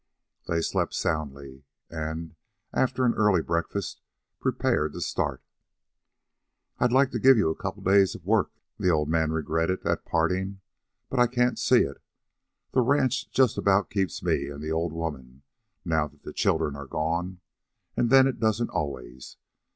They slept soundly, and, after an early breakfast, prepared to start. "I'd like to give you a couple of days' work," the old man regretted, at parting, "but I can't see it. The ranch just about keeps me and the old woman, now that the children are gone. An' then it don't always.